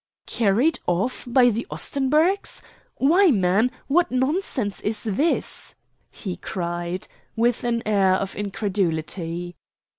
"Carried off by the Ostenburgs! why, man, what nonsense is this?" he cried, with an air of incredulity.